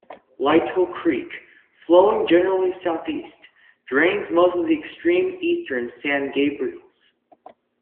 Lytle Creek, flowing generally southeast, drains most of the extreme eastern San Gabriels.